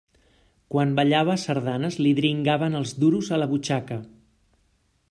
Quan ballava sardanes li dringaven els duros a la butxaca.